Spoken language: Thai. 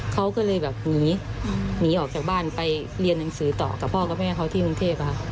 เขาก็เลยแบบหนีหนีออกจากบ้านไปเรียนหนังสือต่อกับพ่อกับแม่เขาที่กรุงเทพค่ะ